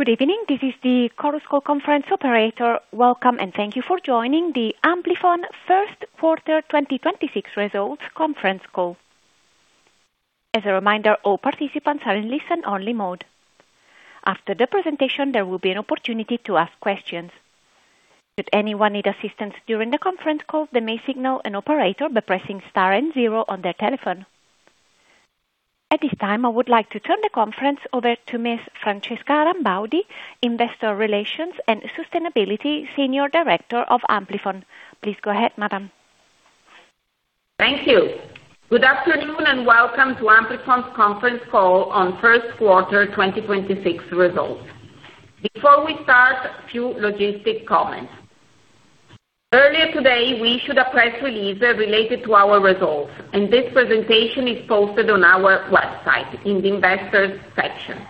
Good evening. Welcome, and thank you for joining the Amplifon first quarter 2026 results conference call. As a reminder, all participants are in listen-only mode. After the presentation, there will be an opportunity to ask questions. At this time, I would like to turn the conference over to Ms. Francesca Rambaudi, Investor Relations and Sustainability Senior Director of Amplifon. Please go ahead, madam. Thank you. Good afternoon, welcome to Amplifon's conference call on first quarter 2026 results. Before we start, a few logistic comments. Earlier today, we issued a press release related to our results, and this presentation is posted on our website in the investor section.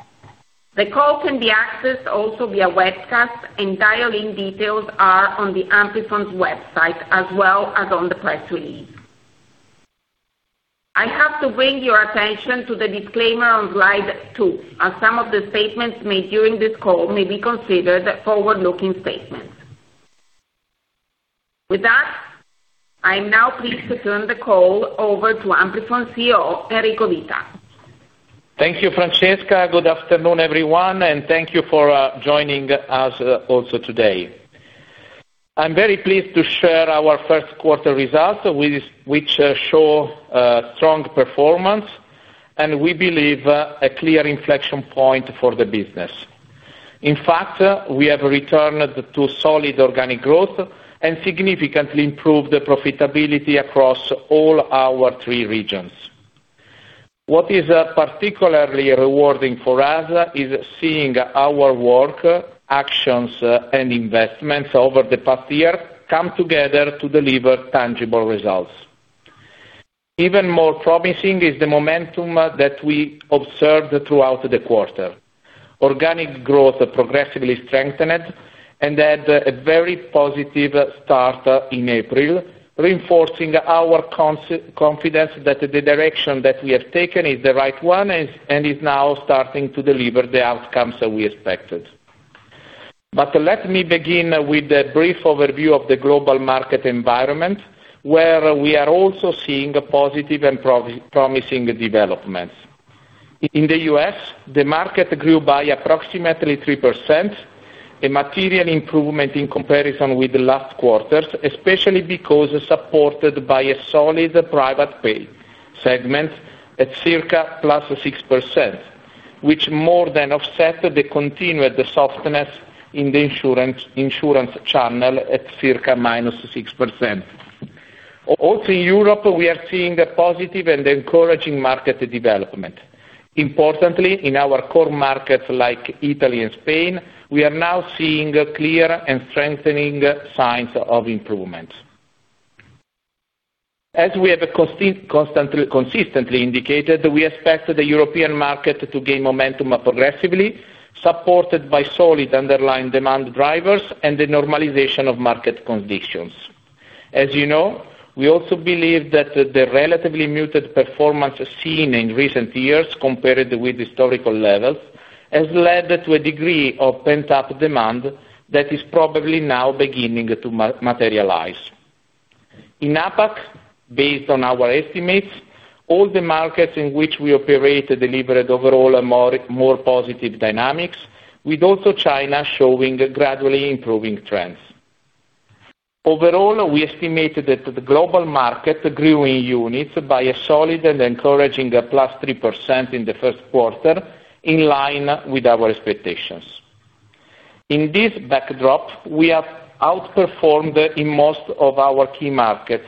The call can be accessed also via webcast, and dial-in details are on the Amplifon's website as well as on the press release. I have to bring your attention to the disclaimer on slide two, as some of the statements made during this call may be considered forward-looking statements. With that, I am now pleased to turn the call over to Amplifon CEO, Enrico Vita. Thank you, Francesca. Good afternoon, everyone, and thank you for joining us also today. I'm very pleased to share our first quarter results which show strong performance, and we believe a clear inflection point for the business. In fact, we have returned to solid organic growth and significantly improved the profitability across all our three regions. What is particularly rewarding for us is seeing our work, actions, and investments over the past year come together to deliver tangible results. Even more promising is the momentum that we observed throughout the quarter. Organic growth progressively strengthened and had a very positive start in April, reinforcing our confidence that the direction that we have taken is the right one and is now starting to deliver the outcomes that we expected. Let me begin with a brief overview of the global market environment, where we are also seeing a positive and promising developments. In the U.S., the market grew by approximately 3%, a material improvement in comparison with the last quarters, especially because supported by a solid private pay segment at circa +6%, which more than offset the continued softness in the insurance channel at circa -6%. In Europe, we are seeing a positive and encouraging market development. Importantly, in our core markets like Italy and Spain, we are now seeing clear and strengthening signs of improvement. As we have consistently indicated, we expect the European market to gain momentum progressively, supported by solid underlying demand drivers and the normalization of market conditions. As you know, we also believe that the relatively muted performance seen in recent years compared with historical levels has led to a degree of pent-up demand that is probably now beginning to materialize. In APAC, based on our estimates, all the markets in which we operate delivered overall a more positive dynamics, with also China showing gradually improving trends. Overall, we estimated that the global market grew in units by a solid and encouraging +3% in the first quarter, in line with our expectations. In this backdrop, we have outperformed in most of our key markets,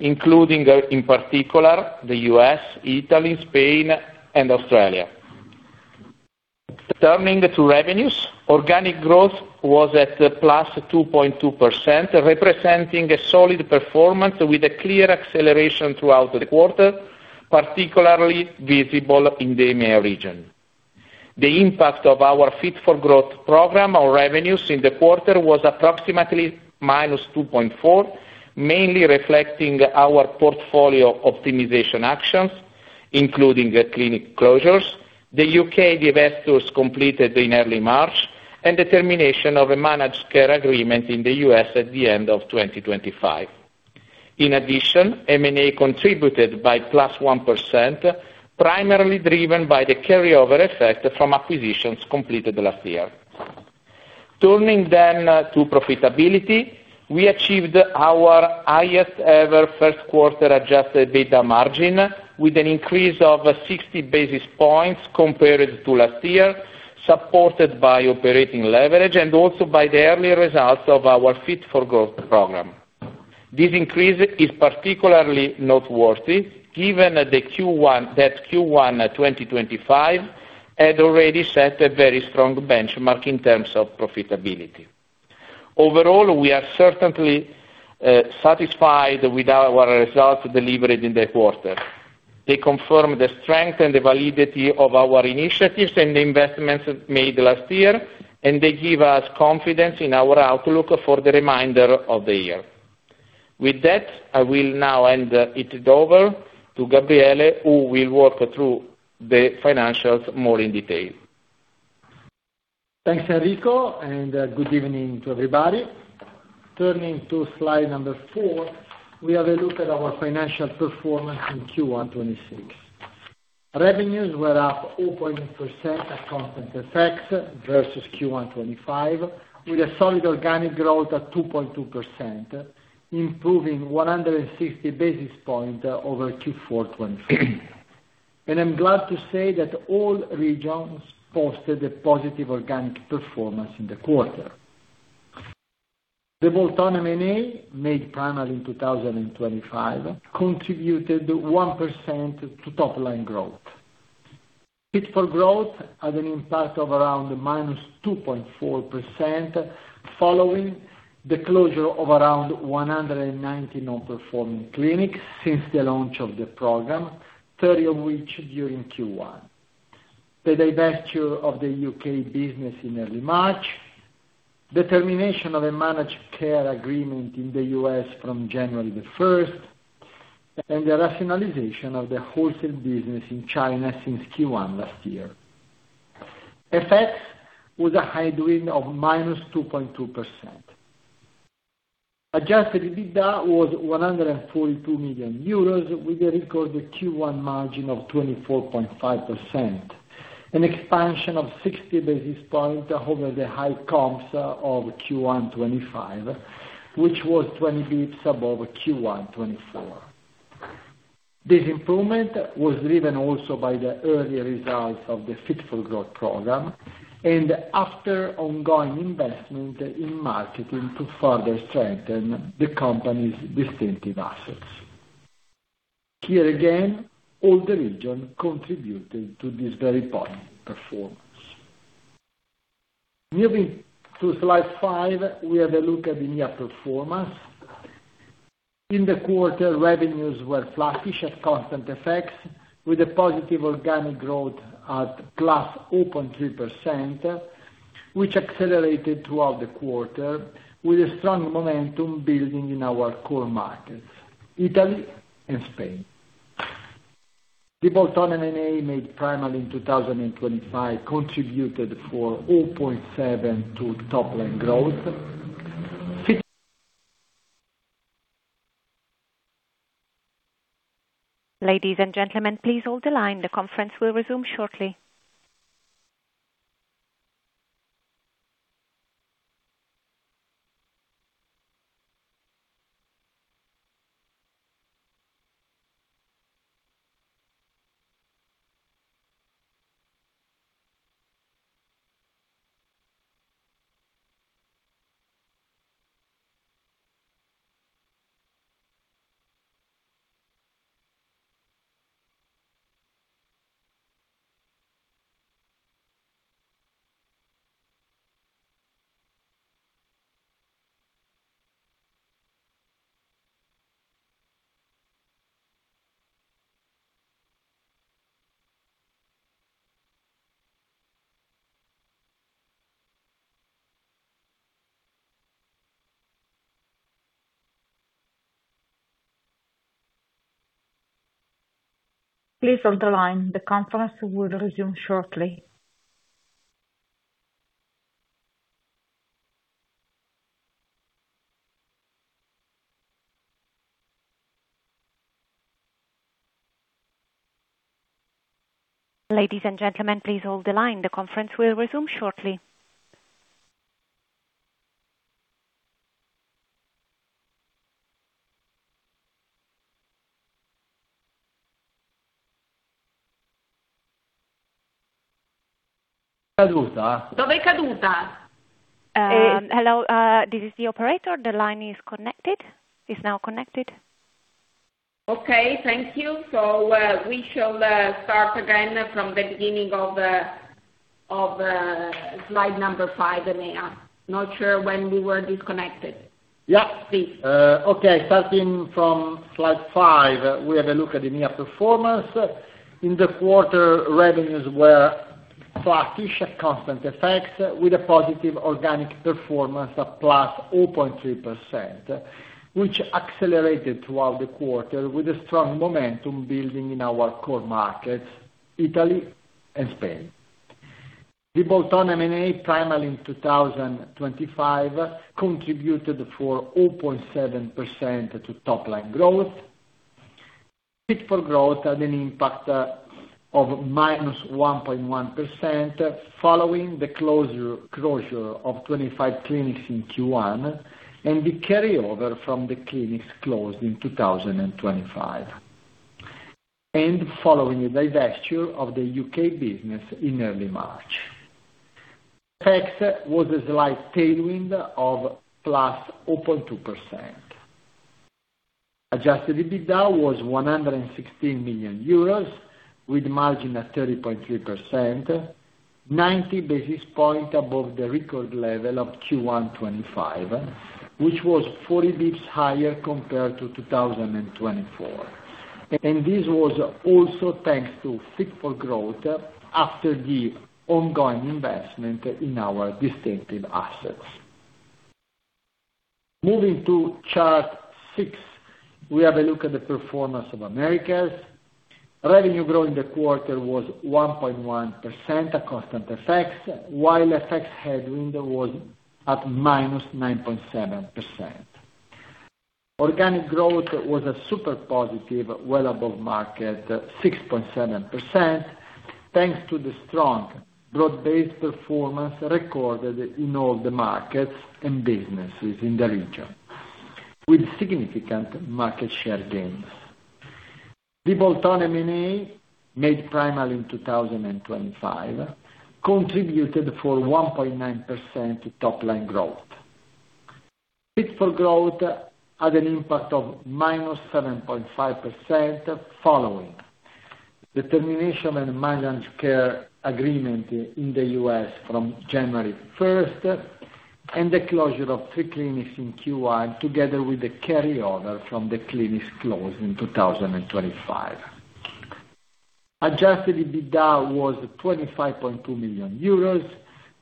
including in particular, the U.S., Italy, Spain, and Australia. Turning to revenues, organic growth was at +2.2%, representing a solid performance with a clear acceleration throughout the quarter, particularly visible in the EMEA region. The impact of our Fit for Growth program on revenues in the quarter was approximately -2.4%, mainly reflecting our portfolio optimization actions, including the clinic closures, the U.K. divestitures completed in early March, and the termination of a managed care agreement in the U.S. at the end of 2025. In addition, M&A contributed by +1%, primarily driven by the carryover effect from acquisitions completed last year. Turning to profitability, we achieved our highest ever first quarter adjusted EBITDA margin with an increase of 60 basis points compared to last year, supported by operating leverage and also by the early results of our Fit for Growth program. This increase is particularly noteworthy given that Q1 2025 had already set a very strong benchmark in terms of profitability. Overall, we are certainly satisfied with our results delivered in the quarter. They confirm the strength and the validity of our initiatives and the investments made last year, and they give us confidence in our outlook for the remainder of the year. With that, I will now hand it over to Gabriele, who will walk through the financials more in detail. Thanks, Enrico. Good evening to everybody. Turning to slide number four, we have a look at our financial performance in Q1 2026. Revenues were up 0.8% at constant FX versus Q1 2025, with a solid organic growth at 2.2%, improving 160 basis points over Q4 2025. I'm glad to say that all regions posted a positive organic performance in the quarter. The Bolt-on M&A, made primarily in 2025, contributed 1% to top line growth. Fit for Growth had an impact of around -2.4%, following the closure of around 190 non-performing clinics since the launch of the program, 30 of which during Q1. The divestiture of the U.K. business in early March, the termination of a managed care agreement in the U.S. from January 1st, and the rationalization of the wholesale business in China since Q1 last year. FX was a headwind of minus 2.2%. Adjusted EBITDA was 142 million euros, with a record Q1 margin of 24.5%, an expansion of 60 basis points over the high comps of Q1 2025, which was 20 basis points above Q1 2024. This improvement was driven also by the early results of the Fit for Growth program and after ongoing investment in marketing to further strengthen the company's distinctive assets. Here again, all the region contributed to this very important performance. Moving to slide five, we have a look at EMEA performance. In the quarter, revenues were flattish at constant FX, with a positive organic growth at +0.3%, which accelerated throughout the quarter with a strong momentum building in our core markets, Italy and Spain. The Bolt-on M&A made primarily in 2025, contributed for 0.7% to top line growth. Hello, this is the operator. The line is now connected. Okay, thank you. We shall start again from the beginning of slide number five, EMEA. Not sure when we were disconnected. Yeah. Please. Okay, starting from slide five, we have a look at EMEA performance. In the quarter, revenues were flattish at constant FX, with a positive organic performance of +0.3%, which accelerated throughout the quarter with a strong momentum building in our core markets, Italy and Spain. The Bolt-on M&A primarily in 2025 contributed for 0.7% to top line growth. Fit for Growth had an impact of -1.1%, following the closure of 25 clinics in Q1 and the carryover from the clinics closed in 2025, and following the divestiture of the U.K. business in early March. Tax was a slight tailwind of +0.2%. Adjusted EBITDA was 116 million euros, with margin at 30.3%, 90 basis points above the record level of Q1 2025, which was 40 basis points higher compared to 2024. This was also thanks to Fit for Growth after the ongoing investment in our distinctive assets. Moving to chart six, we have a look at the performance of Americas. Revenue growth in the quarter was 1.1% at constant FX, while FX headwind was at -9.7%. Organic growth was a super positive well above market, 6.7%, thanks to the strong broad-based performance recorded in all the markets and businesses in the region, with significant market share gains. The Bolt-on M&A, made primarily in 2025, contributed for 1.9% top line growth. Fit for Growth had an impact of -7.5% following the termination of managed care agreement in the U.S. from January 1, and the closure of three clinics in Q1, together with the carryover from the clinics closed in 2025. Adjusted EBITDA was 25.2 million euros,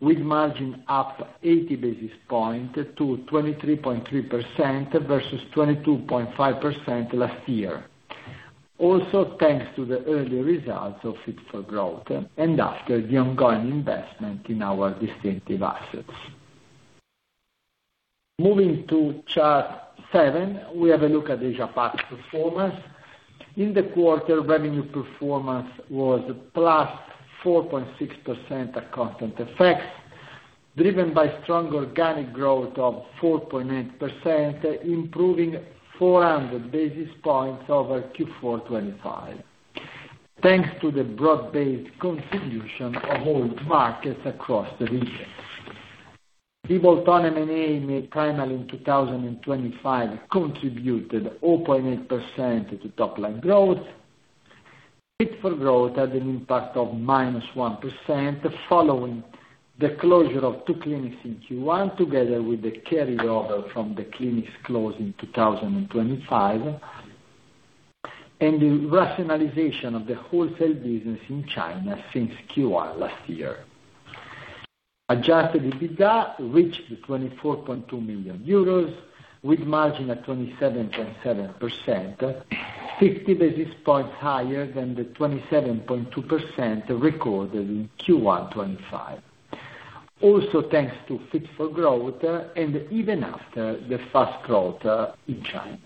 with margin up 80 basis points to 23.3% versus 22.5% last year. Thanks to the early results of Fit for Growth and after the ongoing investment in our distinctive assets. Moving to chart seven, we have a look at the Asia-Pac performance. In the quarter, revenue performance was +4.6% at constant FX, driven by strong organic growth of 4.8%, improving 400 basis points over Q4 2025, thanks to the broad-based contribution of all markets across the region. The Bolt-on M&A made primarily in 2025 contributed 0.8% to top line growth. Fit for Growth had an impact of -1% following the closure of two clinics in Q1, together with the carryover from the clinics closed in 2025, and the rationalization of the wholesale business in China since Q1 last year. Adjusted EBITDA reached 24.2 million euros, with margin at 27.7%, 60 basis points higher than the 27.2% recorded in Q1 2025. Also, thanks to Fit for Growth and even after the fast growth in China.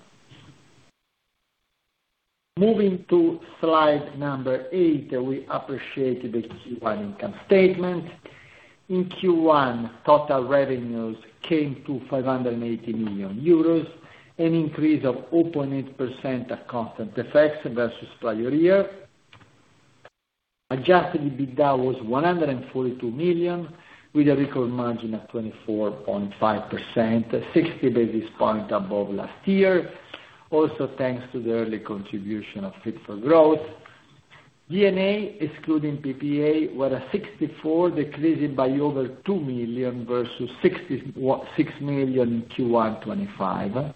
Moving to slide number eight, we appreciate the Q1 income statement. In Q1, total revenues came to 580 million euros, an increase of open age percent at constant FX versus prior year. Adjusted EBITDA was 142 million, with a record margin of 24.5%, 60 basis points above last year. Also, thanks to the early contribution of Fit for Growth. G&A, excluding PPA, were at 64 million, decreasing by over 2 million versus 66 million in Q1 2025.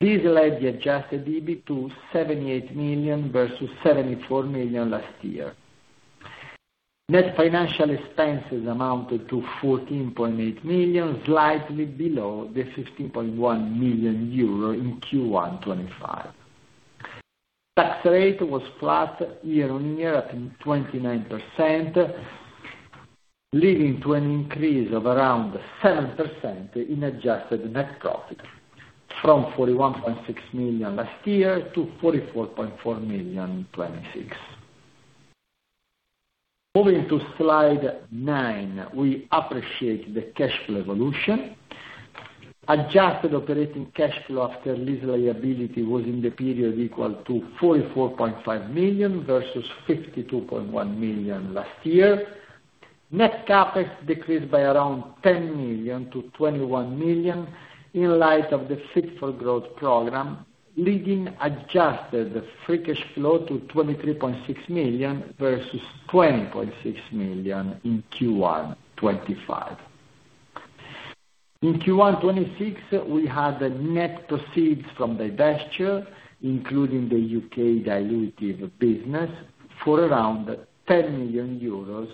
This led the adjusted EBIT to 78 million versus 74 million last year. Net financial expenses amounted to 14.8 million, slightly below the 15.1 million euro in Q1 2025. Tax rate was flat year-on-year at 29%, leading to an increase of around 7% in adjusted net profit from 41.6 million last year to 44.4 million in 2026. Moving to slide nine, we appreciate the cash flow evolution. Adjusted operating cash flow after lease liability was in the period equal to 44.5 million versus 52.1 million last year. Net CapEx decreased by around 10 million-21 million in light of the Fit for Growth program, leading adjusted free cash flow to 23.6 million versus 20.6 million in Q1 2025. In Q1 2026, we had the net proceeds from divestiture, including the U.K. dilutive business, for around 10 million euros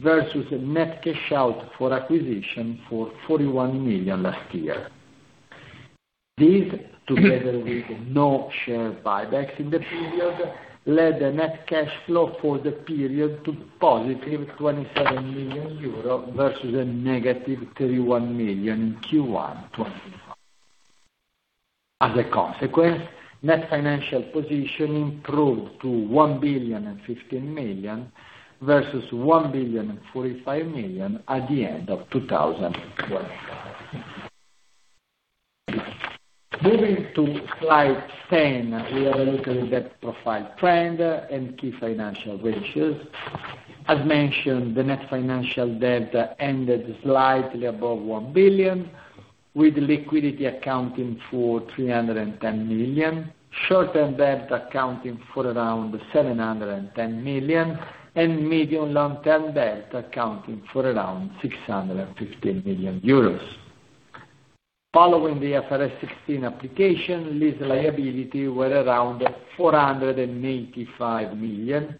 versus a net cash out for acquisition for 41 million last year. This, together with no share buybacks in the period, led the net cash flow for the period to positive 27 million euro versus a negative 31 million in Q1 2025. As a consequence, Net Financial Position improved to 1.015 billion versus 1.045 billion at the end of 2025. Moving to slide 10, we have a look at the debt profile trend and key financial ratios. As mentioned, the net financial debt ended slightly above 1 billion, with liquidity accounting for 310 million, short-term debt accounting for around 710 million, and medium long-term debt accounting for around 650 million euros. Following the IFRS 16 application, lease liability were around 485 million,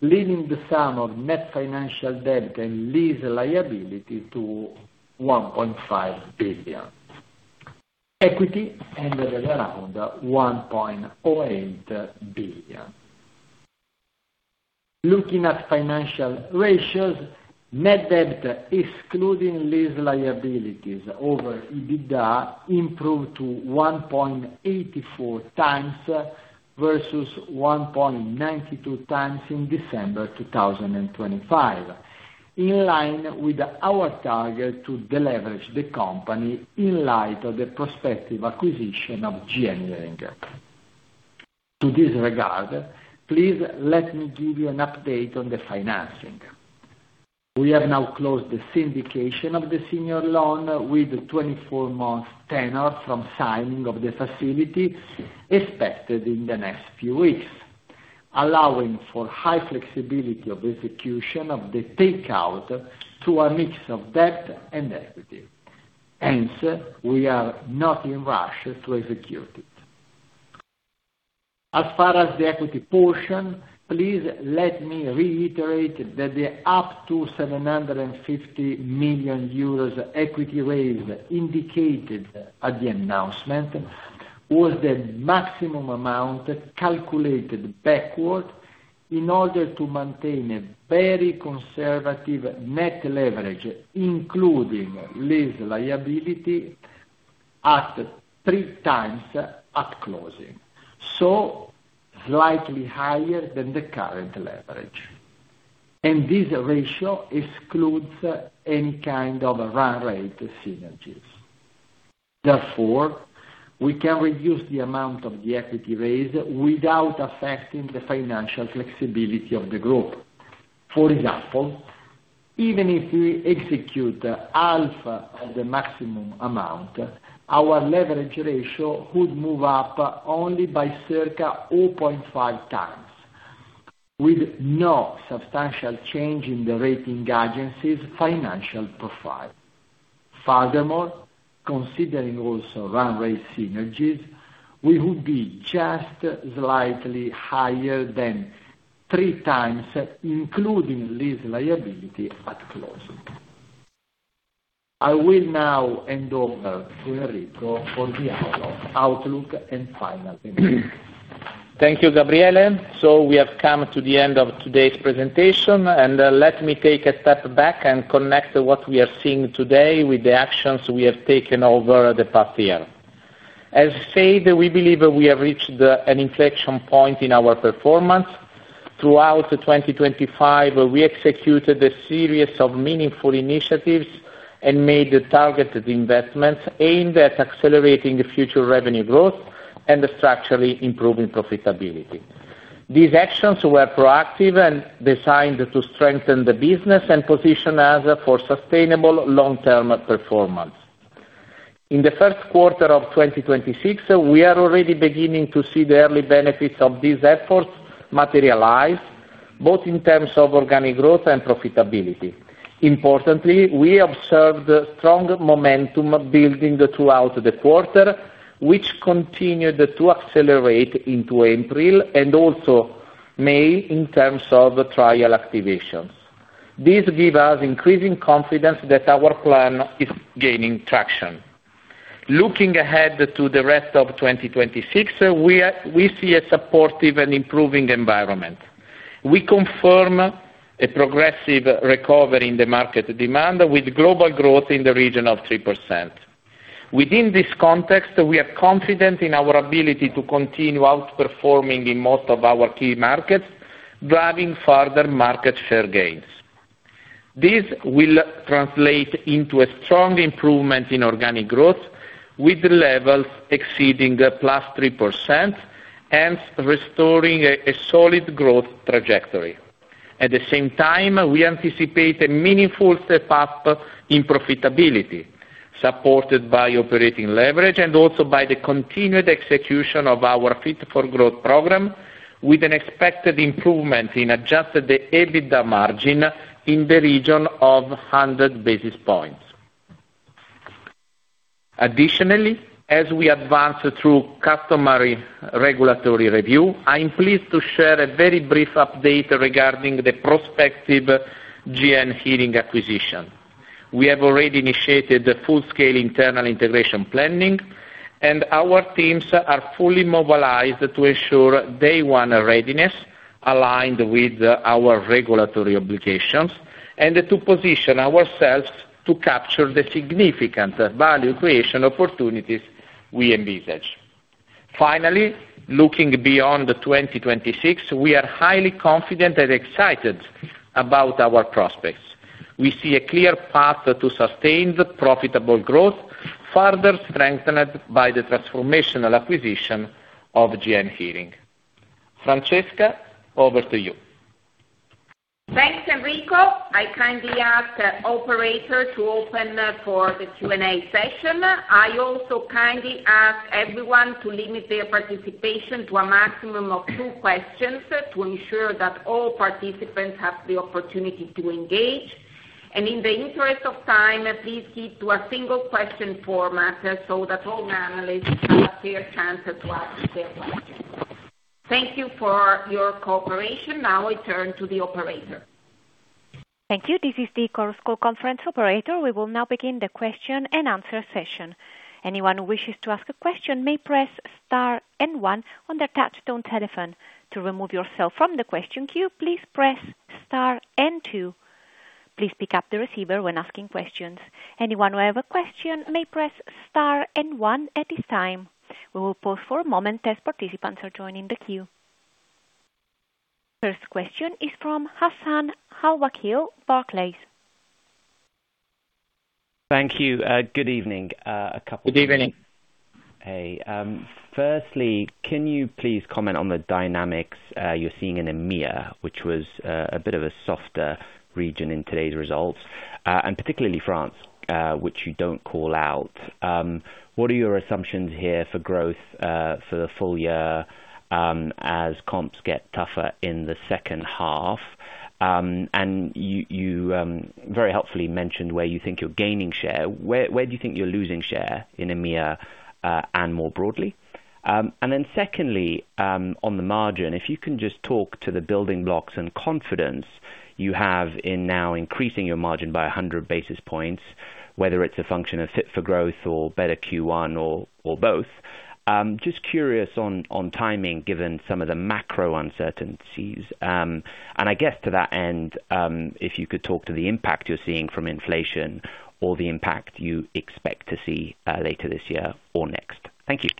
leading the sum of net financial debt and lease liability to 1.5 billion. Equity ended at around 1.08 billion. Looking at financial ratios, net debt excluding lease liabilities over EBITDA improved to 1.84x versus 1.92x in December 2025, in line with our target to deleverage the company in light of the prospective acquisition of GN Hearing. To this regard, please let me give you an update on the financing. We have now closed the syndication of the senior loan with 24 months tenure from signing of the facility expected in the next few weeks, allowing for high flexibility of execution of the takeout through a mix of debt and equity. We are not in rush to execute it. As far as the equity portion, please let me reiterate that the up to 750 million euros equity raise indicated at the announcement was the maximum amount calculated backward in order to maintain a very conservative net leverage, including lease liability at three times at closing, so slightly higher than the current leverage. This ratio excludes any kind of run rate synergies. We can reduce the amount of the equity raise without affecting the financial flexibility of the group. For example, even if we execute half of the maximum amount, our leverage ratio would move up only by circa 0.5x, with no substantial change in the rating agencies financial profile. Considering also run rate synergies, we would be just slightly higher than three times, including lease liability at closing. I will now hand over to Enrico for the outlook and final remarks. Thank you, Gabriele. We have come to the end of today's presentation, and let me take a step back and connect what we are seeing today with the actions we have taken over the past year. As said, we believe we have reached an inflection point in our performance. Throughout 2025, we executed a series of meaningful initiatives and made targeted investments aimed at accelerating future revenue growth and structurally improving profitability. These actions were proactive and designed to strengthen the business and position us for sustainable long-term performance. In the first quarter of 2026, we are already beginning to see the early benefits of these efforts materialize, both in terms of organic growth and profitability. Importantly, we observed strong momentum building throughout the quarter, which continued to accelerate into April and also May in terms of trial activations. This gives us increasing confidence that our plan is gaining traction. Looking ahead to the rest of 2026, we see a supportive and improving environment. We confirm a progressive recovery in the market demand with global growth in the region of 3%. Within this context, we are confident in our ability to continue outperforming in most of our key markets, driving further market share gains. This will translate into a strong improvement in organic growth, with levels exceeding +3%, hence restoring a solid growth trajectory. At the same time, we anticipate a meaningful step up in profitability, supported by operating leverage and also by the continued execution of our Fit for Growth program, with an expected improvement in adjusted EBITDA margin in the region of 100 basis points. Additionally, as we advance through customary regulatory review, I am pleased to share a very brief update regarding the prospective GN Hearing acquisition. We have already initiated the full-scale internal integration planning, and our teams are fully mobilized to ensure day one readiness aligned with our regulatory obligations, and to position ourselves to capture the significant value creation opportunities we envisage. Finally, looking beyond 2026, we are highly confident and excited about our prospects. We see a clear path to sustained profitable growth, further strengthened by the transformational acquisition of GN Hearing. Francesca, over to you. Thanks, Enrico. I kindly ask the operator to open for the Q&A session. I also kindly ask everyone to limit their participation to a maximum of two questions to ensure that all participants have the opportunity to engage. In the interest of time, please keep to a single question format so that all analysts have a fair chance to ask their questions. Thank you for your cooperation. Now I turn to the operator. Thank you. We will now begin the question and answer session. Anyone who wishes to ask a question may press star and one on their touchtone telephone. To remove yourself from the question queue, please press star and two. Please pick up the receiver when asking questions. Anyone who have a question may press star and one at this time. We will pause for a moment as participants are joining the queue. First question is from Hassan Al-Wakeel, Barclays. Thank you. Good evening. Good evening. Hey. Firstly, can you please comment on the dynamics you're seeing in EMEA, which was a bit of a softer region in today's results, and particularly France, which you don't call out. What are your assumptions here for growth for the full year, as comps get tougher in the second half? You very helpfully mentioned where you think you're gaining share. Where do you think you're losing share in EMEA, and more broadly? Secondly, on the margin. If you can just talk to the building blocks and confidence you have in now increasing your margin by 100 basis points, whether it's a function of Fit for Growth or better Q1 or both. Just curious on timing, given some of the macro uncertainties. I guess to that end, if you could talk to the impact you're seeing from inflation or the impact you expect to see, later this year or next. Thank you.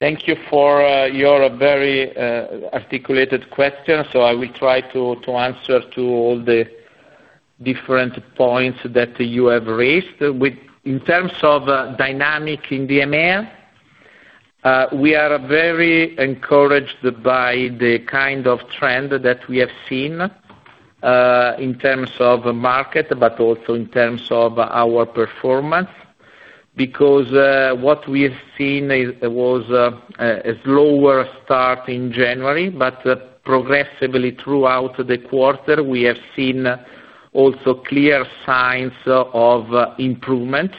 Thank you for your very articulated question. I will try to answer to all the different points that you have raised. In terms of dynamic in the EMEA, we are very encouraged by the kind of trend that we have seen in terms of market, but also in terms of our performance. What we have seen was a slower start in January, but progressively throughout the quarter, we have seen also clear signs of improvement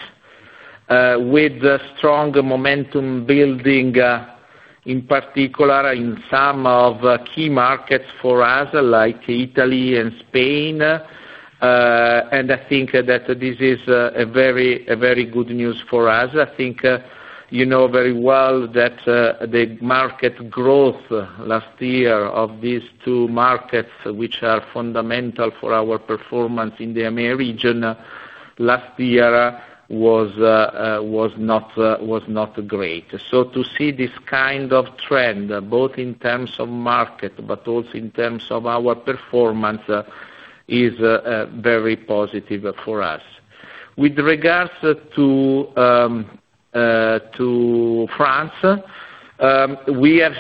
with strong momentum building in particular in some of key markets for us, like Italy and Spain. I think that this is a very good news for us. I think, you know very well that the market growth last year of these two markets, which are fundamental for our performance in the EMEA region, last year was not great. To see this kind of trend, both in terms of market but also in terms of our performance, is very positive for us. With regards to France, we have,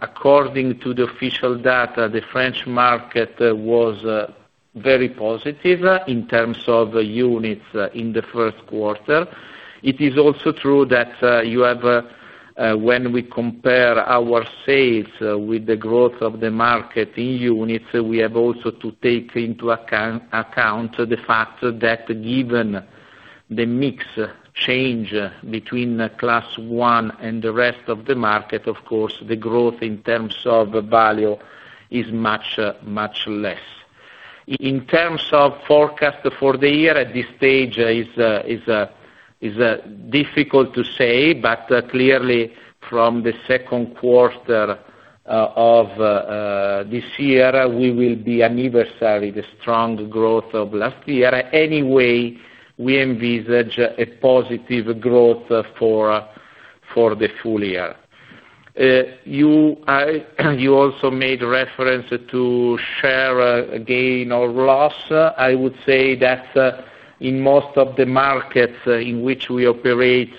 according to the official data, the French market was very positive in terms of units in the first quarter. It is also true that you have, when we compare our sales with the growth of the market in units, we have also to take into account the fact that given the mix change between Class I and the rest of the market, of course, the growth in terms of value is much less. In terms of forecast for the year, at this stage, it's difficult to say, but clearly from the second quarter of this year, we will be anniversary the strong growth of last year. We envisage a positive growth for the full year. You also made reference to share gain or loss. I would say that in most of the markets in which we operate,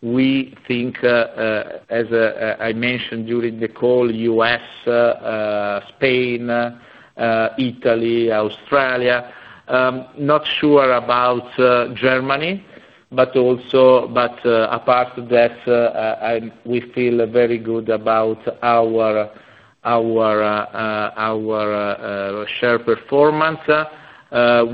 we think, as I mentioned during the call, U.S., Spain, Italy, Australia, not sure about Germany, but also. Apart that, we feel very good about our share performance.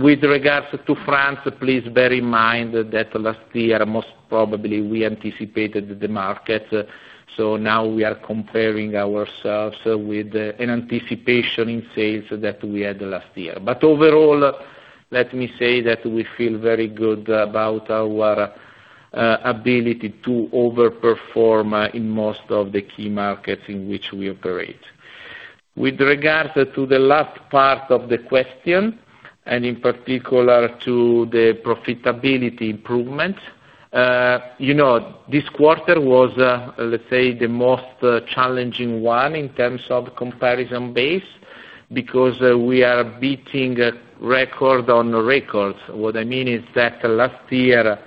With regards to France, please bear in mind that last year, most probably we anticipated the market. Now we are comparing ourselves with an anticipation in sales that we had last year. Overall, let me say that we feel very good about our ability to overperform in most of the key markets in which we operate. With regards to the last part of the question, and in particular to the profitability improvement, you know, this quarter was, let's say the most challenging one in terms of comparison base, because we are beating record on records. What I mean is that last year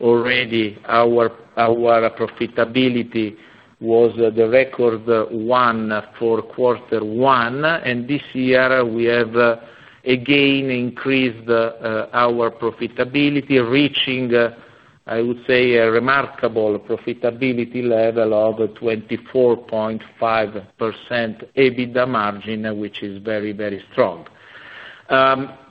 already our profitability was the record one for quarter one, and this year we have again increased our profitability, reaching, I would say, a remarkable profitability level of 24.5% EBITDA margin, which is very, very strong.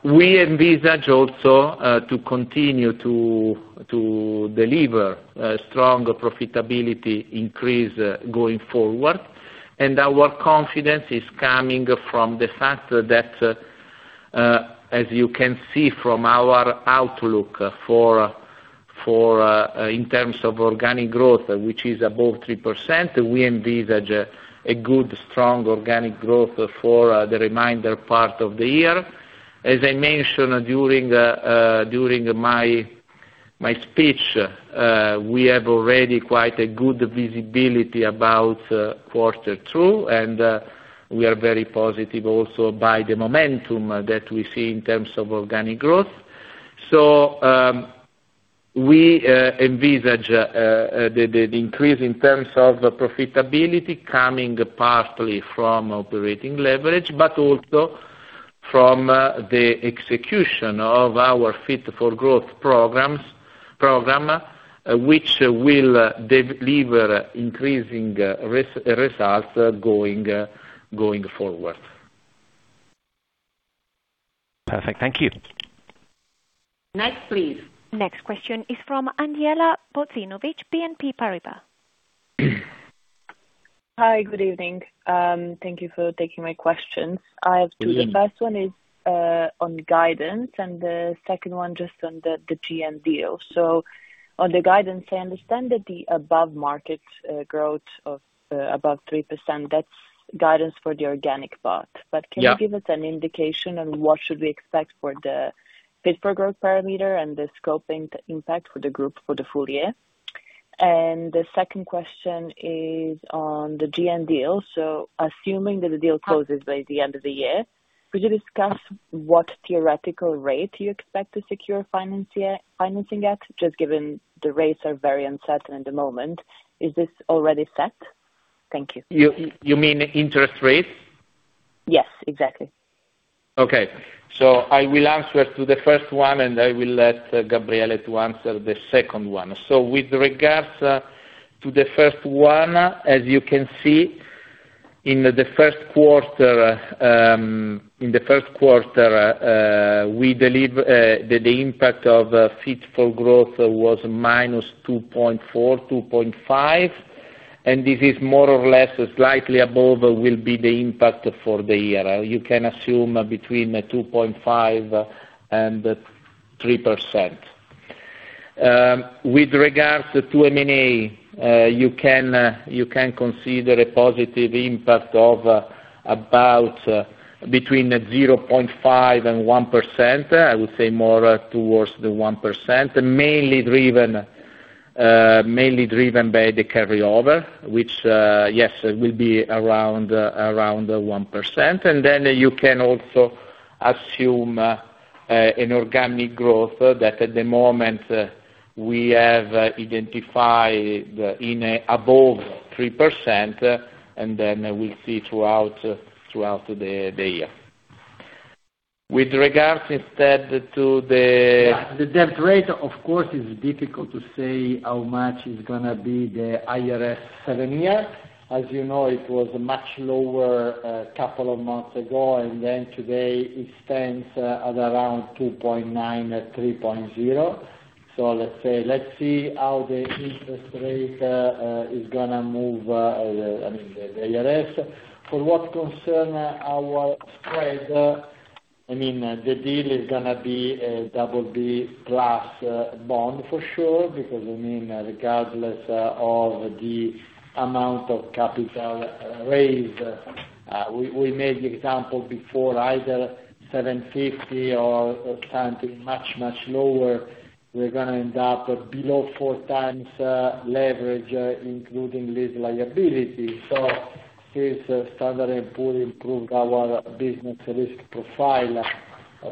We envisage also to continue to deliver a stronger profitability increase going forward. Our confidence is coming from the fact that, as you can see from our outlook for in terms of organic growth, which is above 3%, we envisage a good strong organic growth for the remainder part of the year. As I mentioned during my speech, we have already quite a good visibility about quarter two, and we are very positive also by the momentum that we see in terms of organic growth. We envisage the increase in terms of profitability coming partly from operating leverage, but also from the execution of our Fit for Growth programs, which will deliver increasing results going forward. Perfect. Thank you. Next, please. Next question is from Andjela Bozinovic, BNP Paribas. Hi, good evening. Thank you for taking my question. I have two. The first one is on guidance and the second one just on the GN deal. On the guidance, I understand that the above market growth of above 3%, that's guidance for the organic part. Yeah. Can you give us an indication on what should we expect for the Fit for Growth parameter and the scoping impact for the group for the full year? The second question is on the GN deal. Assuming that the deal closes by the end of the year, could you discuss what theoretical rate you expect to secure financing at, just given the rates are very uncertain at the moment. Is this already set? Thank you. You mean interest rates? Yes, exactly. Okay. I will answer to the first one, and I will let Gabriele to answer the second one. With regards to the first one, as you can see, in the first quarter, the impact of Fit for Growth was -2.4, 2.5, and this is more or less slightly above will be the impact for the year. You can assume between 2.5% and 3%. With regards to M&A, you can consider a positive impact of about between 0.5% and 1%. I would say more towards the 1%. Mainly driven by the carryover, which, yes, will be around 1%. You can also assume, an organic growth that at the moment we have identified in above 3%, and then we'll see throughout the year. With regards instead to the. The debt rate, of course, is difficult to say how much is gonna be the IRS seven-year. As you know, it was much lower a couple of months ago, then today it stands at around 2.9, 3.0. Let's say, let's see how the interest rate is gonna move, I mean, the IRS. For what concern our spread, I mean, the deal is gonna be a double B plus bond for sure, because, I mean, regardless of the amount of capital raised, we made the example before, either 750 or something much, much lower, we're gonna end up below four times leverage, including lease liability. Since Standard & Poor's improved our business risk profile,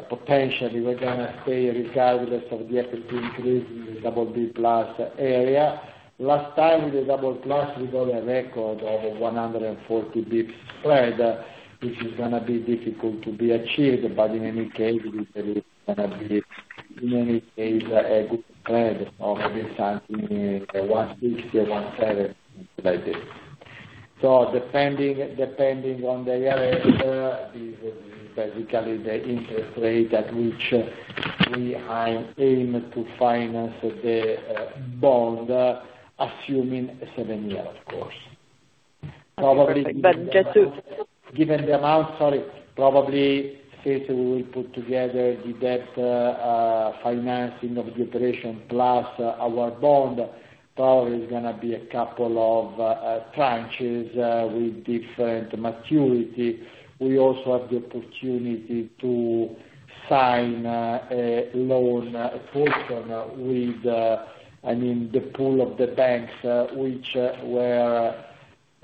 potentially, we're gonna stay regardless of the NFP increase in the double B plus area. Last time with the double plus we got a record over 140 BPS spread, which is gonna be difficult to be achieved, but in any case, it is gonna be, in any case, a good spread of at least something, 160 or 170 like this. Depending on the IRS, this is basically the interest rate at which we are aiming to finance the bond, assuming seven-year, of course. Perfect. Sorry. Probably, since we will put together the debt financing of the operation plus our bond, probably it's gonna be a couple of tranches with different maturity. We also have the opportunity to sign a loan facility with, I mean, the pool of the banks, which were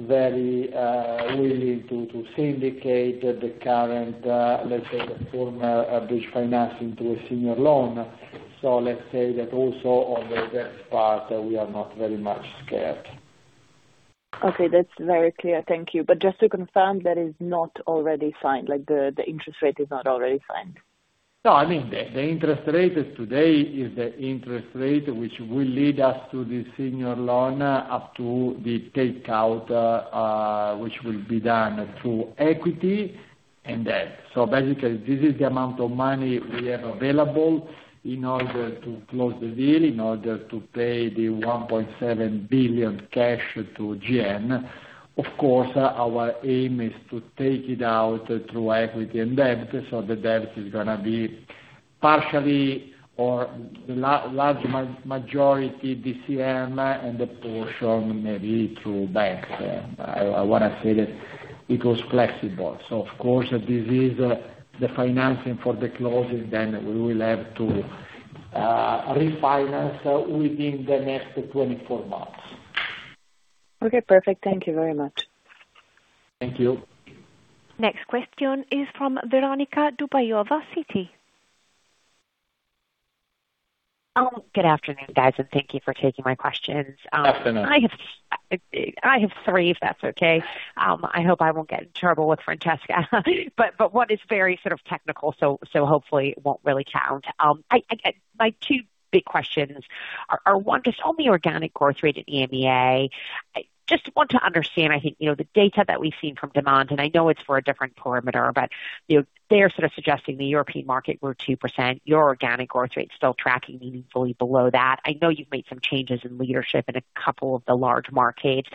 very willing to syndicate the current, let's say the former bridge financing to a senior loan. Let's say that also on the debt part, we are not very much scared. Okay. That's very clear. Thank you. Just to confirm, that is not already signed, like the interest rate is not already signed? No, I mean, the interest rate today is the interest rate which will lead us to the senior loan up to the takeout, which will be done through equity and debt. Basically, this is the amount of money we have available in order to close the deal, in order to pay the 1.7 billion cash to GN. Of course, our aim is to take it out through equity and debt. The debt is gonna be partially or large majority DCM and the portion maybe through bank. I wanna say that it was flexible. Of course, this is the financing for the closing, then we will have to refinance within the next 24 months. Okay, perfect. Thank you very much. Thank you. Next question is from Veronika Dubajova, Citi. Good afternoon, guys, and thank you for taking my questions. Afternoon. I have three, if that's okay. I hope I won't get in trouble with Francesca, but one is very sort of technical, so hopefully it won't really count. My two big questions are, one, just on the organic growth rate at EMEA. I just want to understand, I think, you know, the data that we've seen from Demant, and I know it's for a different parameter, but, you know, they're sort of suggesting the European market grew 2%, your organic growth rate still tracking meaningfully below that. I know you've made some changes in leadership in a couple of the large markets.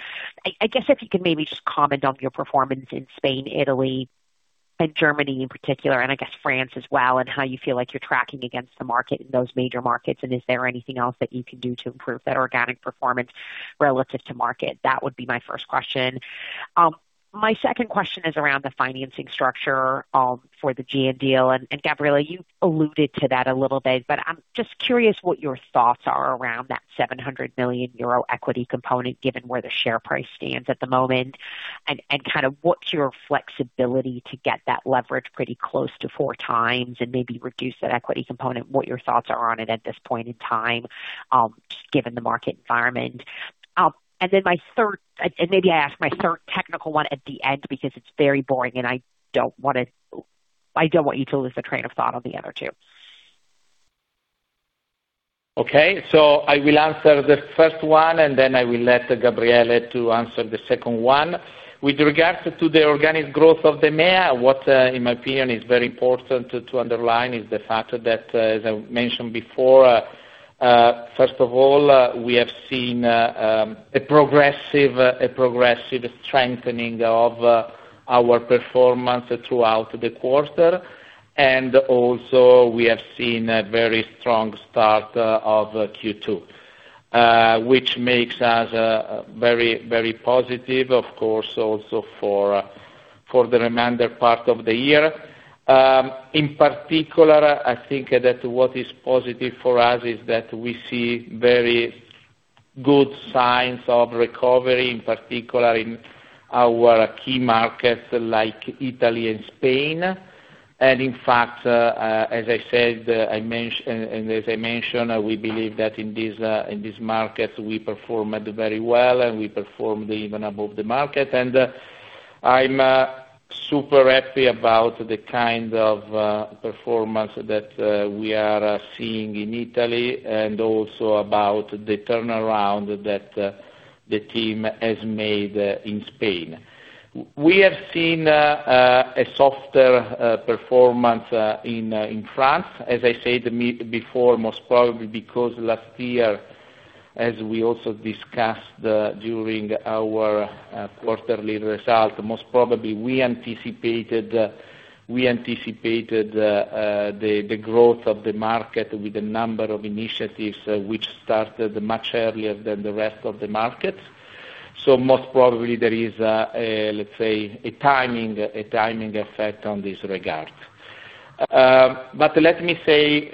I guess if you could maybe just comment on your performance in Spain, Italy, and Germany in particular, and I guess France as well, and how you feel like you're tracking against the market in those major markets, and is there anything else that you can do to improve that organic performance relative to market? That would be my first question. My second question is around the financing structure for the GN deal. Gabriele, you alluded to that a little bit, but I'm just curious what your thoughts are around that 700 million euro equity component, given where the share price stands at the moment. What's your flexibility to get that leverage pretty close to four times and maybe reduce that equity component? What your thoughts are on it at this point in time, just given the market environment? Maybe I ask my third technical one at the end because it's very boring and I don't want you to lose the train of thought on the other two. I will answer the first one, and then I will let Gabriele to answer the second one. With regards to the organic growth of the EMEA, what in my opinion is very important to underline is the fact that, as I mentioned before, first of all, we have seen a progressive strengthening of our performance throughout the quarter. Also, we have seen a very strong start of Q2, which makes us very positive, of course, also for the remainder part of the year. In particular, I think that what is positive for us is that we see very good signs of recovery, in particular in our key markets like Italy and Spain. In fact, as I said, and as I mentioned, we believe that in this market, we performed very well and we performed even above the market. I'm super happy about the kind of performance that we are seeing in Italy and also about the turnaround that the team has made in Spain. We have seen a softer performance in France. As I said before, most probably because last year, as we also discussed during our quarterly results, most probably we anticipated the growth of the market with a number of initiatives which started much earlier than the rest of the market. Most probably there is a, let's say, a timing effect on this regard. Let me say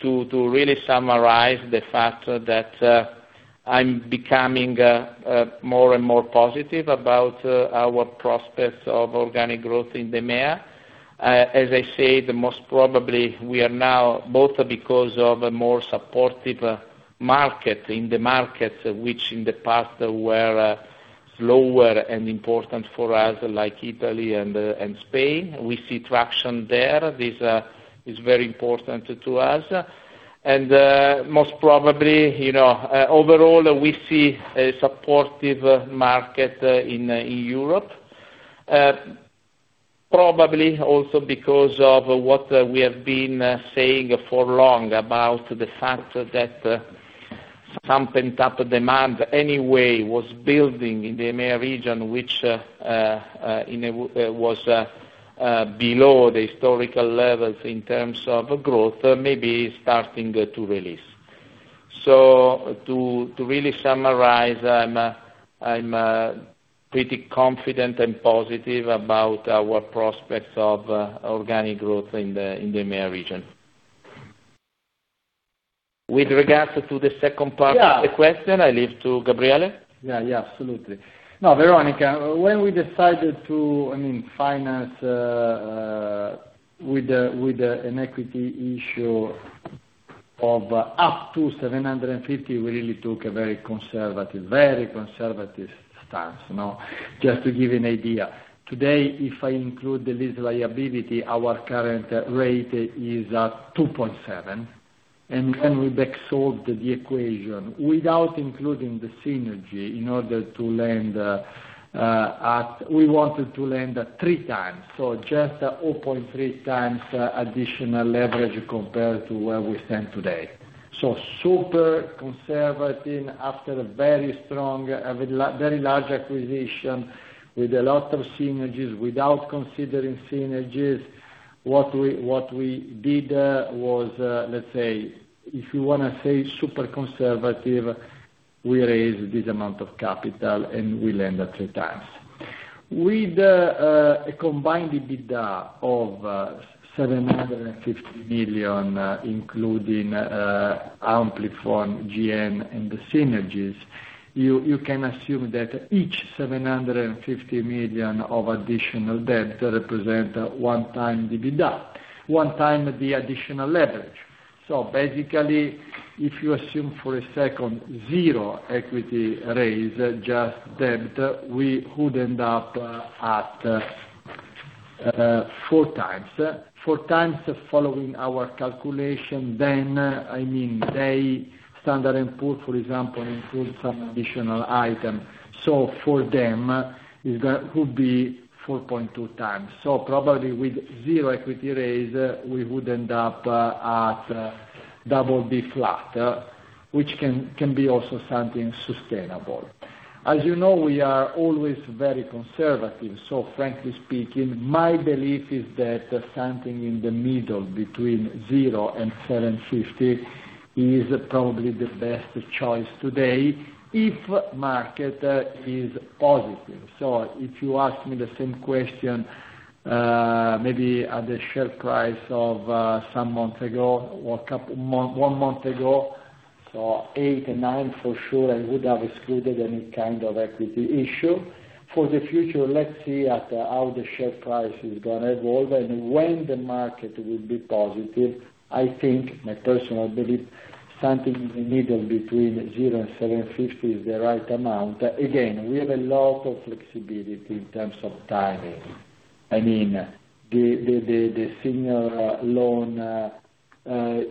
to really summarize the fact that I'm becoming more and more positive about our prospects of organic growth in the EMEA. As I said, most probably we are now, both because of a more supportive market, in the markets which in the past were slower and important for us, like Italy and Spain. We see traction there. This is very important to us. Most probably, you know, overall, we see a supportive market in Europe. Probably also because of what we have been saying for long about the fact that something type of demand anyway was building in the EMEA region, which in a way was below the historical levels in terms of growth, maybe starting to release. To really summarize, I'm pretty confident and positive about our prospects of organic growth in the EMEA region. With regards to the second part of the question, I leave to Gabriele. Yeah, absolutely. Veronika, when we decided to, I mean, finance with an equity issue- Of up to 750, we really took a very conservative stance, you know. Just to give you an idea, today, if I include the lease liability, our current rate is at 2.7, and when we back solve the equation without including the synergy in order to lend, we wanted to lend at three times, so just at 4.3 times additional leverage compared to where we stand today. Super conservative after a very strong, a very large acquisition with a lot of synergies. Without considering synergies, what we did was, let's say, if you wanna say super conservative, we raised this amount of capital, we lend at three times. With a combined EBITDA of 750 million, including Amplifon, GN, and the synergies, you can assume that each 750 million of additional debt represent one time EBITDA. One time the additional leverage. Basically, if you assume for a second zero equity raise, just debt, we could end up at four times. Four times following our calculation. I mean, Standard & Poor's, for example, include some additional item. For them, it could be 4.2x. Probably with 0 equity raise, we would end up at BB flat, which can be also something sustainable. As you know, we are always very conservative. Frankly speaking, my belief is that something in the middle between zero and 750 is probably the best choice today if market is positive. If you ask me the same question, maybe at the share price of some months ago or a couple month, one month ago, 8 or 9 for sure, I would have excluded any kind of equity issue. For the future, let's see at how the share price is gonna evolve. When the market will be positive, I think, my personal belief, something in the middle between zero and 750 is the right amount. Again, we have a lot of flexibility in terms of timing. I mean, the senior loan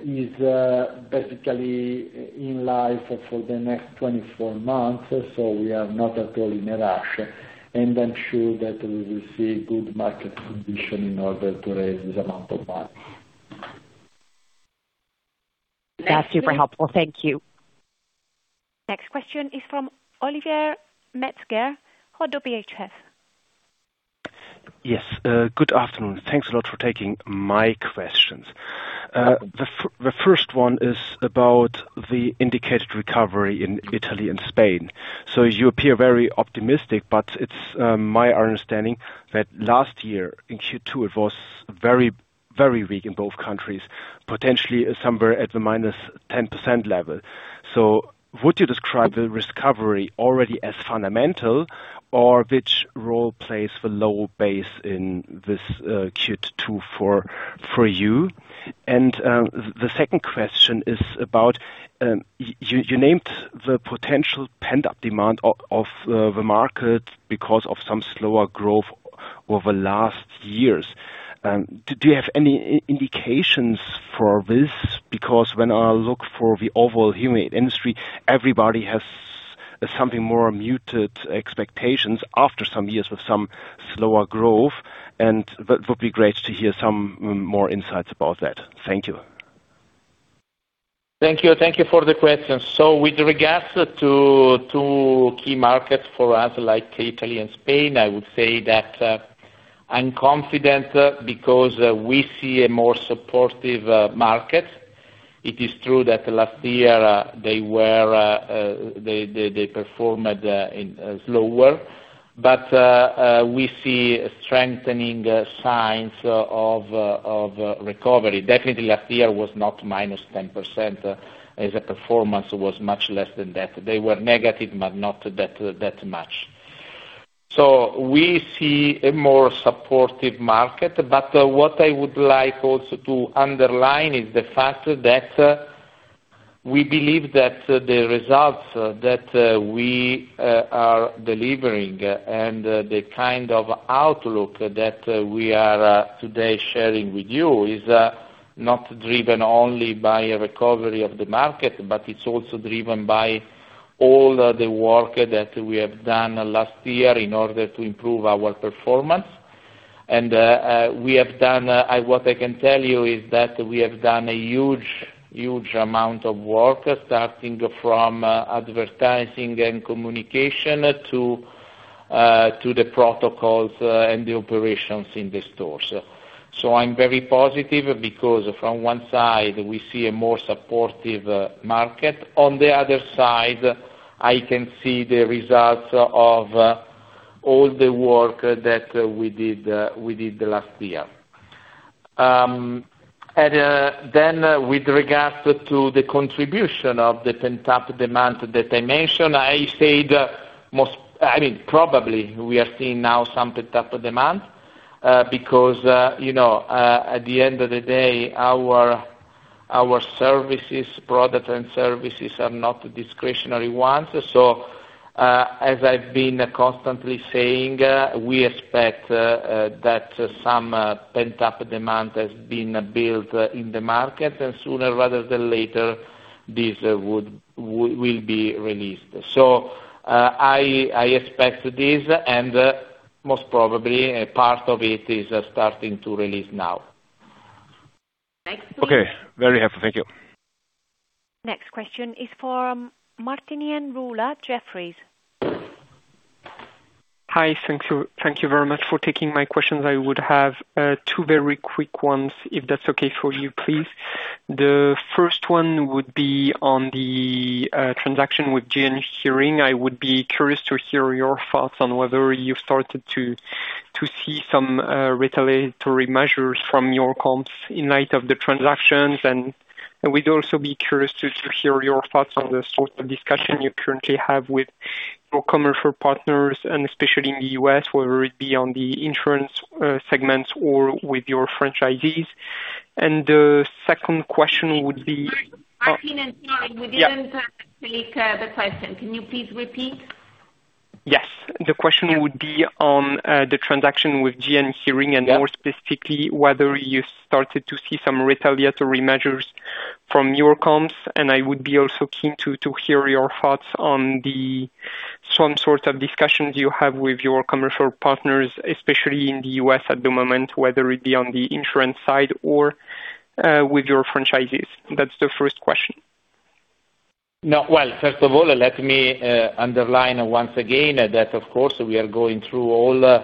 is basically in life for the next 24 months, so we are not at all in a rush. I'm sure that we will see good market conditions in order to raise this amount of money. That's super helpful. Thank you. Next question is from Oliver Metzger, Oddo BHF. Yes. good afternoon. Thanks a lot for taking my questions. The first one is about the indicated recovery in Italy and Spain. You appear very optimistic, but it's my understanding that last year, in Q2, it was very, very weak in both countries, potentially somewhere at the minus 10% level. Would you describe the recovery already as fundamental or which role plays the low base in this Q2 for you? The second question is about you named the potential pent-up demand of the market because of some slower growth over last years. Do you have any indications for this? When I look for the overall hearing industry, everybody has something more muted expectations after some years of some slower growth, and that would be great to hear some more insights about that. Thank you. Thank you. Thank you for the question. With regards to key markets for us like Italy and Spain, I would say that I'm confident because we see a more supportive market. It is true that last year, they performed in slower. We see strengthening signs of recovery. Definitely, last year was not minus 10%, as the performance was much less than that. They were negative, but not that much. We see a more supportive market. What I would like also to underline is the fact that we believe that the results that we are delivering and the kind of outlook that we are today sharing with you is not driven only by a recovery of the market, but it's also driven by all the work that we have done last year in order to improve our performance. What I can tell you is that we have done a huge, huge amount of work, starting from advertising and communication to the protocols and the operations in the stores. I'm very positive because from one side, we see a more supportive market. On the other side, I can see the results of all the work that we did last year. With regards to the contribution of the pent-up demand that I mentioned, I mean, probably we are seeing now some pent-up demand because, you know, at the end of the day, our services, product and services are not discretionary ones. As I've been constantly saying, we expect that some pent-up demand has been built in the market, sooner rather than later, this will be released. I expect this, most probably a part of it is starting to release now. Next please. Okay. Very helpful. Thank you. Next question is from Martin Ruler, Jefferies. Hi. Thank you, thank you very much for taking my questions. I would have two very quick ones, if that's okay for you, please. The first one would be on the transaction with GN Hearing. I would be curious to hear your thoughts on whether you've started to see some retaliatory measures from your comps in light of the transactions. I would also be curious to hear your thoughts on the sort of discussion you currently have with your commercial partners and especially in the U.S., whether it be on the insurance segments or with your franchisees. The second question would be- Martin, I'm sorry. Yeah. We didn't take the question. Can you please repeat? Yes. The question would be on, the transaction with GN Hearing. Yeah More specifically, whether you started to see some retaliatory measures from your comps. I would be also keen to hear your thoughts on the some sort of discussions you have with your commercial partners, especially in the U.S. at the moment, whether it be on the insurance side or with your franchisees. That's the first question. No. Well, first of all, let me underline once again that of course we are going through all the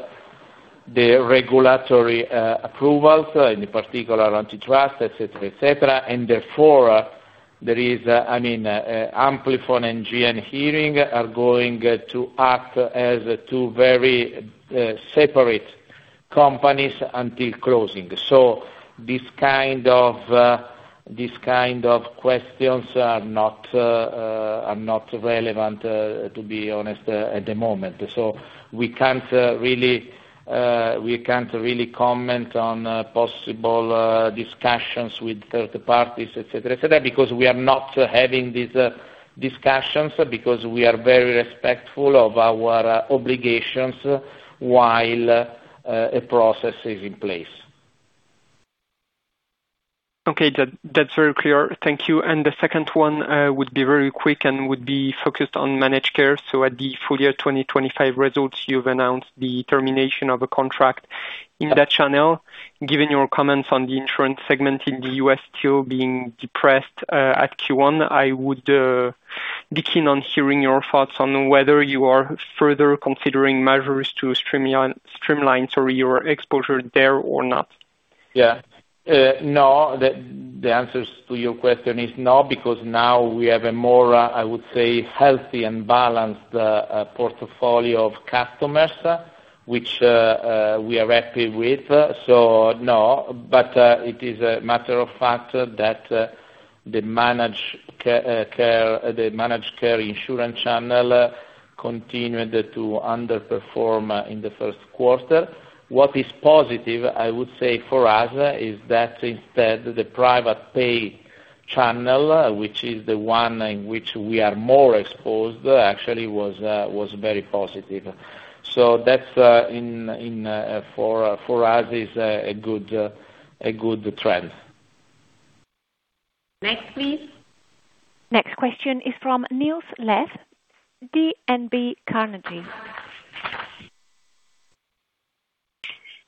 regulatory approvals, in particular antitrust, et cetera, et cetera. Therefore, there is, I mean, Amplifon and GN Hearing are going to act as two very separate companies until closing. This kind of questions are not relevant, to be honest, at the moment. We can't really comment on possible discussions with third parties, et cetera, et cetera, because we are not having these discussions, because we are very respectful of our obligations while a process is in place. Okay. That's very clear. Thank you. The second one would be very quick and would be focused on managed care. At the full year 2025 results, you've announced the termination of a contract in that channel. Given your comments on the insurance segment in the U.S. still being depressed at Q1, I would be keen on hearing your thoughts on whether you are further considering measures to streamline, sorry, your exposure there or not. No. The, the answer to your question is no, because now we have a more, I would say, healthy and balanced portfolio of customers, which we are happy with. No, but it is a matter of fact that the managed care insurance channel continued to underperform in the first quarter. What is positive, I would say for us, is that instead, the private pay channel, which is the one in which we are more exposed, actually was very positive. That, in for us, is a good, a good trend. Next, please. Next question is from Niels Granholm-Leth, DNB Carnegie.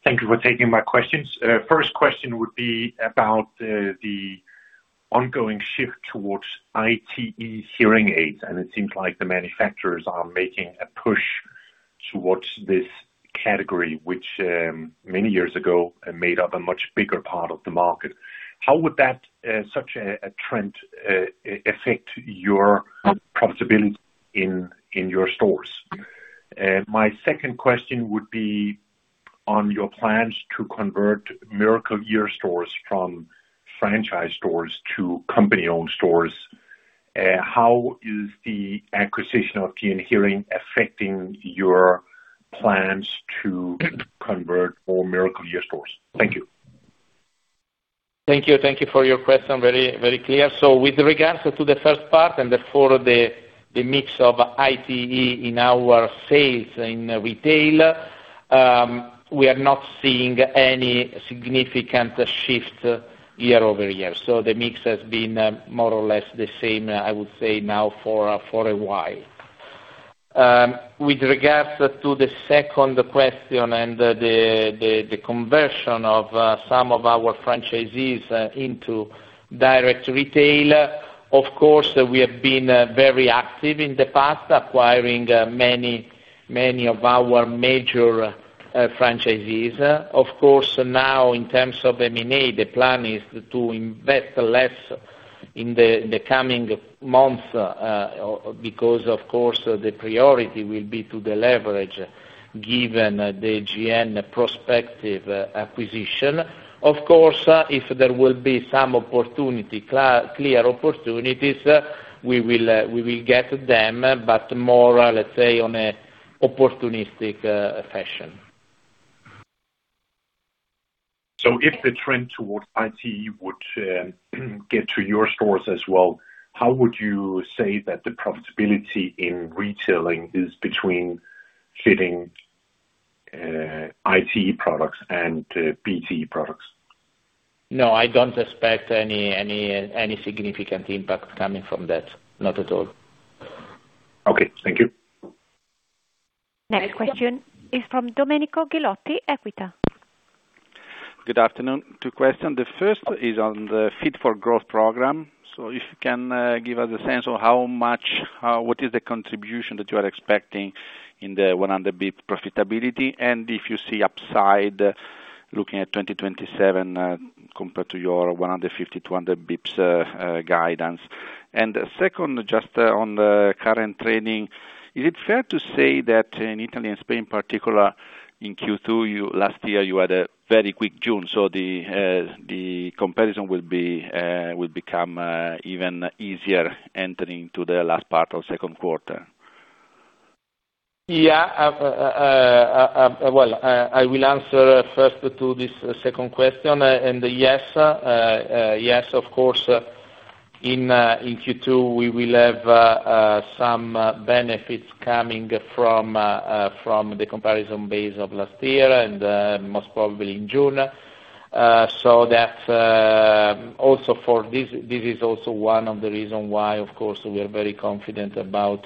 Thank you for taking my questions. First question would be about the ongoing shift towards ITE hearing aids, and it seems like the manufacturers are making a push towards this category, which many years ago made up a much bigger part of the market. How would that such a trend affect your profitability in your stores? My second question would be on your plans to convert Miracle-Ear stores from franchise stores to company-owned stores. How is the acquisition of GN Hearing affecting your plans to convert all Miracle-Ear stores? Thank you. Thank you. Thank you for your question. Very, very clear. With regards to the first part, and therefore the mix of ITE in our sales in retail, we are not seeing any significant shift year-over-year. The mix has been more or less the same, I would say now for a while. With regards to the second question and the conversion of some of our franchisees into direct retail, of course, we have been very active in the past, acquiring many of our major franchisees. Of course, now in terms of M&A, the plan is to invest less in the coming months, because of course, the priority will be to the leverage given the GN prospective acquisition. Of course, if there will be some opportunity, clear opportunities, we will get them, but more, let's say, on an opportunistic fashion. If the trend towards ITE would get to your stores as well, how would you say that the profitability in retailing is between hitting ITE products and BTE products? No, I don't expect any significant impact coming from that. Not at all. Okay. Thank you. Next question is from Domenico Ghilotti, Equita. Good afternoon. Two question. The first is on the Fit for Growth program. If you can give us a sense of how much what is the contribution that you are expecting in the 100 BPS profitability, and if you see upside looking at 2027, compared to your 150 to 100 BPS guidance. Second, just on the current trading, is it fair to say that in Italy and Spain, particular in Q2 you had a very quick June, so the comparison will be will become even easier entering to the last part of second quarter? Yeah. Well, I will answer first to this second question. Yes, yes, of course, in Q2, we will have some benefits coming from the comparison base of last year and most probably in June. Also for this is also one of the reasons why, of course, we are very confident about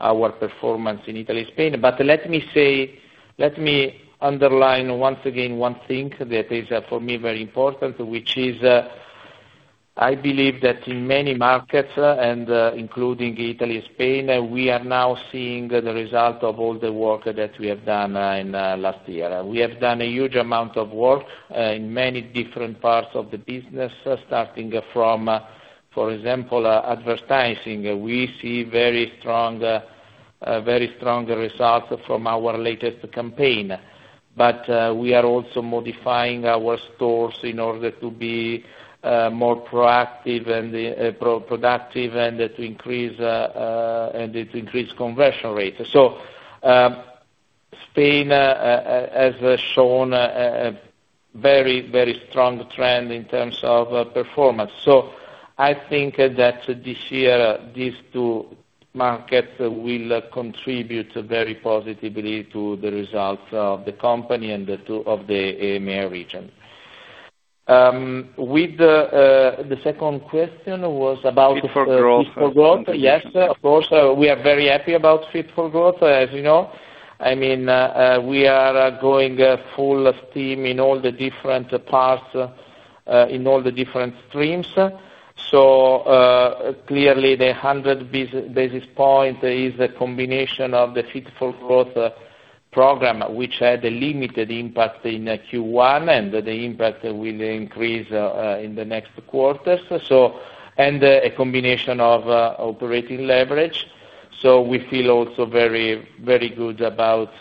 our performance in Italy/Spain. Let me say, let me underline once again one thing that is for me very important, which is, I believe that in many markets, and including Italy and Spain, we are now seeing the result of all the work that we have done in last year. We have done a huge amount of work in many different parts of the business, starting from, for example, advertising. We see very strong results from our latest campaign. We are also modifying our stores in order to be more proactive and pro-productive and to increase conversion rates. Spain has shown a very strong trend in terms of performance. I think that this year, these two markets will contribute very positively to the results of the company and the two of the AMA region. Fit for Growth. Fit for Growth. Yes, of course. We are very happy about Fit for Growth, as you know. I mean, we are going full steam in all the different parts, in all the different streams. Clearly, the 100 basis point is a combination of the Fit for Growth program, which had a limited impact in Q1 and the impact will increase in the next quarters. And a combination of operating leverage. We feel also very, very good about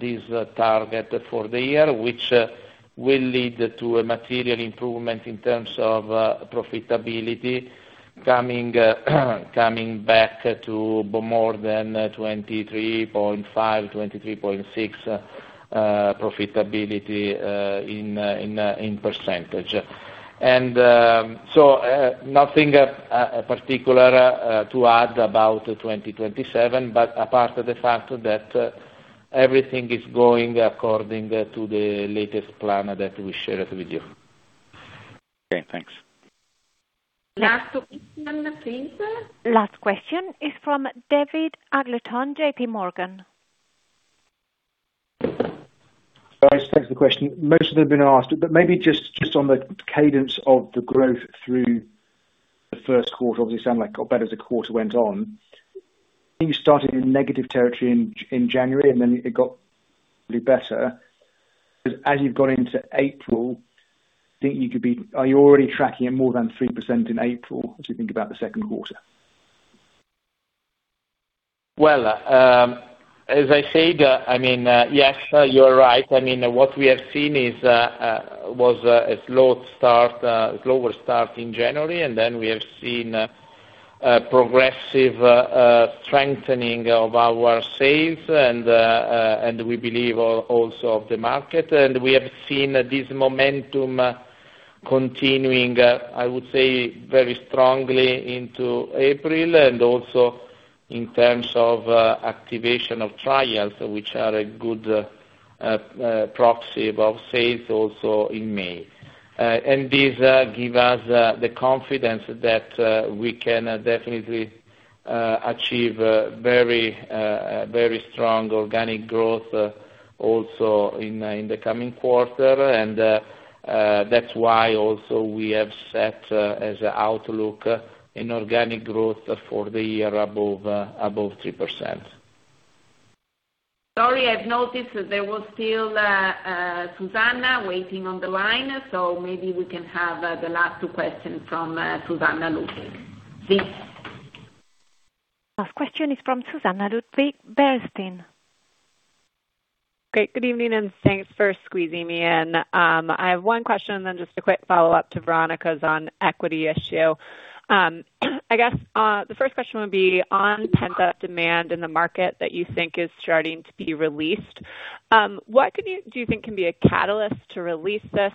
this target for the year, which will lead to a material improvement in terms of profitability coming back to more than 23.5, 23.6 profitability in percentage. Nothing particular to add about 2027, apart the fact that everything is going according to the latest plan that we shared with you. Okay. Thanks. Last question, please. Last question is from David Adlington, JPMorgan. Thanks for the question. Most of them have been asked, but maybe just on the cadence of the growth through the first quarter, obviously it sound like it got better as the quarter went on. I think you started in negative territory in January, and then it got pretty better. As you've gone into April, are you already tracking at more than 3% in April as you think about the second quarter? Well, as I said, I mean, yes, you're right. I mean, what we have seen is was a slow start, slower start in January, and then we have seen a progressive strengthening of our sales and also of the market. We have seen this momentum continuing, I would say, very strongly into April and also in terms of activation of trials, which are a good proxy of our sales also in May. This give us the confidence that we can definitely achieve very, very strong organic growth also in the coming quarter. That's why also we have set as an outlook an organic growth for the year above 3%. Sorry, I've noticed there was still, Susannah waiting on the line, so maybe we can have, the last two questions from, Susannah Ludwig, please. Last question is from Susannah Ludwig, Bernstein. Great. Good evening, and thanks for squeezing me in. I have one question and then just a quick follow-up to Veronika's on equity issue. I guess the first question would be on pent-up demand in the market that you think is starting to be released. What do you think can be a catalyst to release this?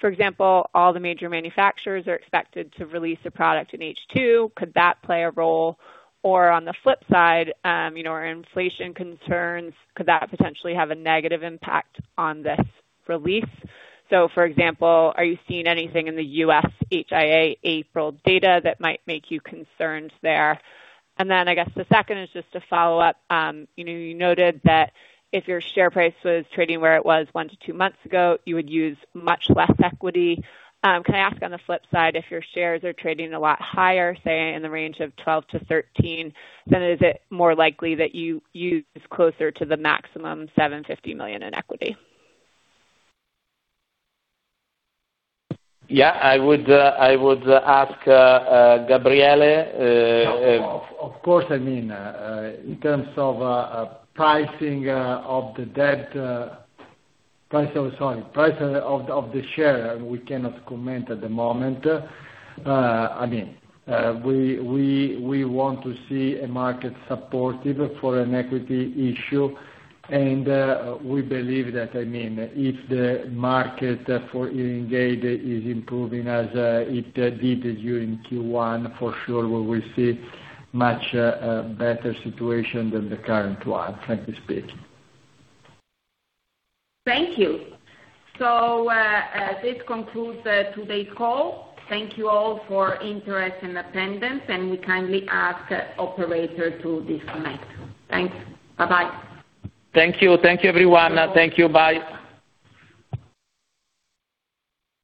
For example, all the major manufacturers are expected to release a product in H2. Could that play a role? Or on the flip side, you know, are inflation concerns, could that potentially have a negative impact on this release? So for example, are you seeing anything in the U.S. HIA April data that might make you concerned there? Then I guess the second is just a follow-up. You know, you noted that if your share price was trading where it was one to two months ago, you would use much less equity. Can I ask on the flip side, if your shares are trading a lot higher, say in the range of 12 to 13, then is it more likely that you use closer to the maximum 750 million in equity? Yeah, I would, I would ask Gabriele. Of course. I mean, in terms of pricing of the debt, price of the share, we cannot comment at the moment. I mean, we want to see a market supportive for an equity issue, and we believe that, I mean, if the market for Engage is improving as it did during Q1, for sure we will see much better situation than the current one, frankly speaking. Thank you. This concludes today's call. Thank you all for interest and attendance, and we kindly ask operator to disconnect. Thanks. Bye-bye. Thank you. Thank you, everyone. Thank you. Bye.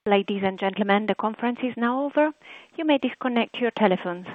Ladies and gentlemen, the conference is now over. You may disconnect your telephones.